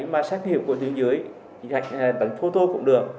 mà xét hiệu của tuyến dưới tầng photo cũng được